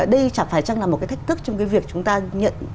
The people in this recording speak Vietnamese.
đây chả phải chăng là một cái thách thức trong cái việc chúng ta nhận